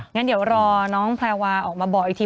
งั้นเดี๋ยวรอน้องแพรวาออกมาบอกอีกที